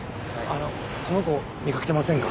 あのこの子見かけてませんか？